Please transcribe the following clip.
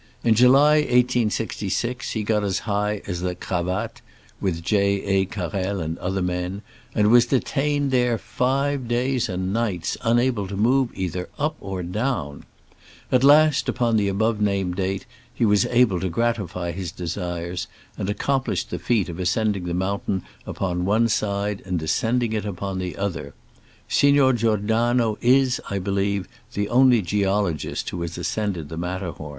In July, 1866, he got as high as the "cravate" (with J A, Carrel and other men), and tvas detained there Jive days and nights, unable to move either uP or down I At last, upon the above named date, he was able to gratify his desires, and accomplished the feat of ascending the mountain upon one side and descending it upon the other. Signor Giordano is, I believe, the only geologist who has ascended the Matterhom.